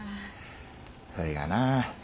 それがなぁ